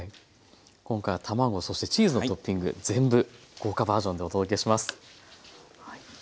今回は卵そしてチーズのトッピング全部豪華バージョンでお届けします。